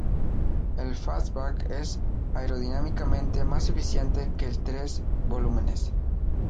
El fastback es aerodinámicamente más eficiente que el tres volúmenes.